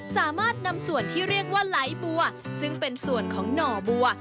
สามารถนำส่วนที่เรียกว่าไหลบัวซึ่งเป็นส่วนของหน่อบัว